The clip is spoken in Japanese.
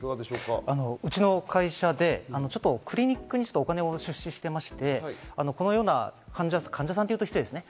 うちの会社でクリニックにお金を出資していまして、このような、患者さんというと失礼ですね。